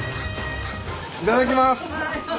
いただきます。